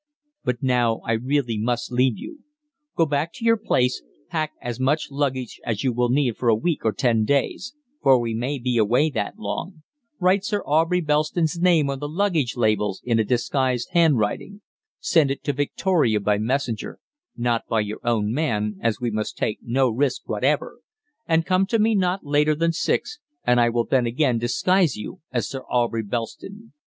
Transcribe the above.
But now I really must leave you. Go back to your place, pack as much luggage as you will need for a week or ten days for we may be away that long write Sir Aubrey Belston's name on the luggage labels in a disguised handwriting; send it to Victoria by messenger not by your own man, as we must take no risks whatever and come to me not later than six, and I will then again disguise you as Sir Aubrey Belston.